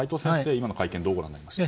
今の会見をどうご覧になりましたか？